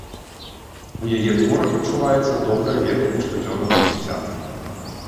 У яе творах адчуваецца добрае веданне штодзённага жыцця.